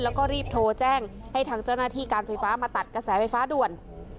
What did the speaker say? แล้วก็รีบโทรแจ้งให้ทางเจ้าหน้าที่การไฟฟ้ามาตัดกระแสไฟฟ้าด่วน